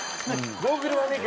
ゴーグルはね結構。